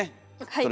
はい。